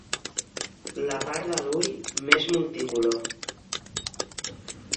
La part de l'ull més multicolor.